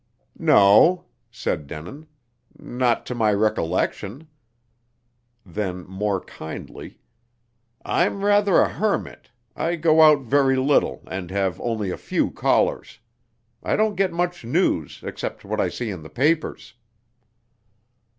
"No," said Denin. "Not to my recollection." Then more kindly, "I'm rather a hermit. I go out very little, and have only a few callers. I don't get much news, except what I see in the papers."